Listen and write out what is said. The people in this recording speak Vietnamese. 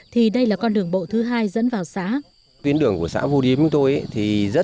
thì đây là con đường bộ thứ hai dẫn vào xã